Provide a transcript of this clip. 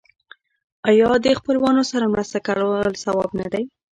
آیا د خپلوانو سره مرسته کول ثواب نه دی؟